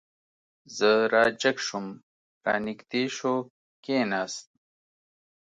زه را جګ شوم، را نږدې شو، کېناست.